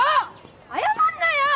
謝んなよ！